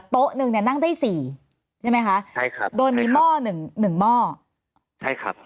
โต๊ะนึงเนี่ยนั่งได้๔ใช่ไหมคะโดยมีหม้อ๑หม้อใช่ครับ